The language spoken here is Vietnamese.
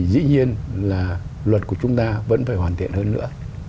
dĩ nhiên là luật của chúng ta vẫn phải hoàn thiện hơn nữa